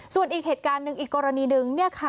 ส่วนอีกเหตุการณ์นึงอีกกรณีนึง